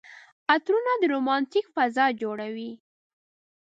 عطرونه د رومانتيک فضا جوړوي.